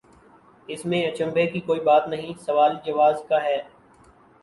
اس میں اچنبھے کی کوئی بات نہیں سوال جواز کا ہے۔